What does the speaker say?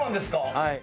はい。